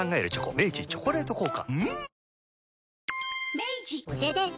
明治「チョコレート効果」